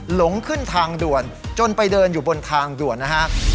หลงขึ้นทางด่วนจนไปเดินอยู่บนทางด่วนนะฮะ